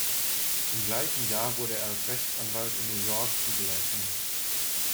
Im gleichen Jahr wurde er als Rechtsanwalt in New York zugelassen.